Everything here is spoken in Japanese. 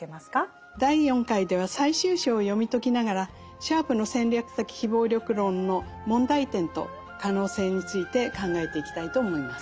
第４回では最終章を読み解きながらシャープの戦略的非暴力論の問題点と可能性について考えていきたいと思います。